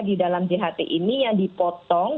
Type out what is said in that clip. di dalam jht ini yang dipotong